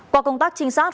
qua công tác trinh sát